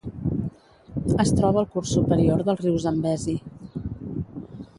Es troba al curs superior del riu Zambezi.